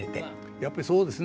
やっぱりそうですね。